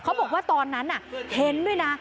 เขาบอกว่าตอนนั้นเห็นด้วยนะ